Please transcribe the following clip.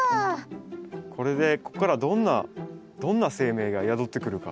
これでこっからどんな生命が宿ってくるか。